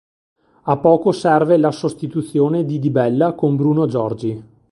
A poco serve la sostituzione di Di Bella con Bruno Giorgi.